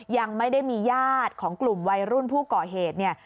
ยังไม่ได้มีญาติของกลุ่มวัยรุ่นผู้ก่อเหตุเนี่ย